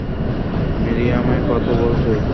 মিরিয়ামের কথা বলছো?